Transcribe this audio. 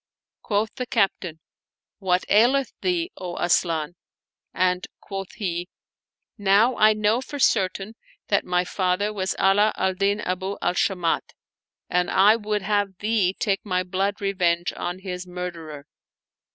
Quoth the Captain, "What aileth thee, O Asian?" and quoth he, "Now I know for certain that my father was Ala al Din Abu al Shamat, and I would have thee take my blood revenge on his murderer."